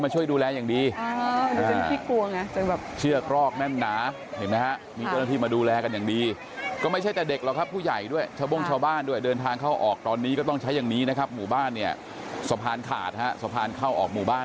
ฉันไม่ไปค่ะขอหยุดค่ะน้องเขาเก่งมากนะ